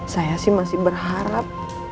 saya sih masih berharap